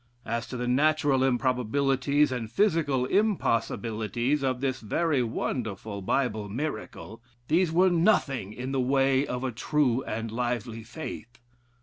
As to the natural improbabilities and physical impossibilities of this very wonderful Bible miracle, these were nothing in the way of a true and lively faith.